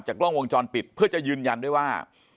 กล้องวงจรปิดเพื่อจะยืนยันด้วยว่า